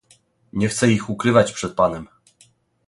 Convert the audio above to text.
"Nie chcę ich ukrywać przed panem."